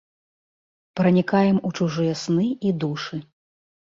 Пранікаем ў чужыя сны і душы.